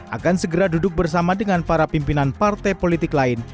akan segera duduk bersama dengan para pimpinan partai politik lain